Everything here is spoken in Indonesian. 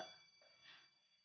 tuh kan udah bil masuk